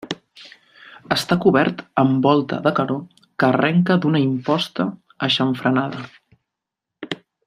Està cobert amb volta de canó que arrenca d'una imposta aixamfranada.